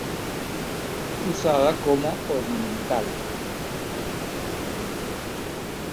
Usada como ornamental.